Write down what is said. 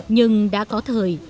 nhưng đã có thời